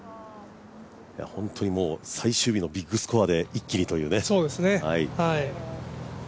本当に最終日のビッグスコアで一気にというね。